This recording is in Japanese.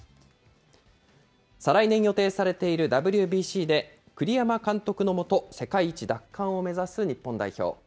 再来年予定されているＷＢＣで、栗山監督の下、世界一奪還を目指す日本代表。